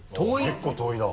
結構遠いな。